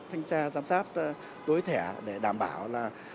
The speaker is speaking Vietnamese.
thanh tra giám sát đối thẻ để đảm bảo là